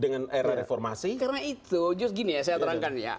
karena itu just gini ya saya terangkan ya